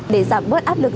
để giảm bớt áp lực